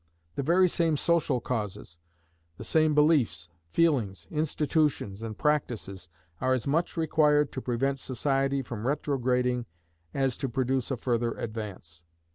The very same social causes the same beliefs, feelings, institutions, and practices are as much required to prevent society from retrograding as to produce a further advance.